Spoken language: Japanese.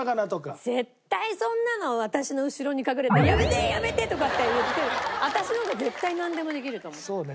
絶対そんなの私の後ろに隠れて「やめてやめて！」とかって言って私の方が絶対なんでもできると思う。